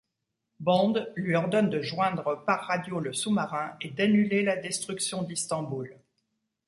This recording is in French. Bond lui ordonne de joindre par radio le sous-marin et d'annuler la destruction d'Istanbul.